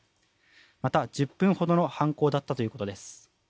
また、１０分ほどの犯行だったということです。